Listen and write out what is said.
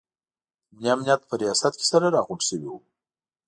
د ملي امنیت په ریاست کې سره راغونډ شوي وو.